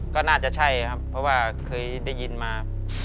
ก็น่าจะใช่ครับเพราะว่าเคยได้ยินมา